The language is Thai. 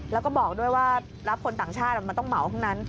แล้วก็บอกด้วยว่ารับคนต่างชาติมันต้องเหมาทั้งนั้น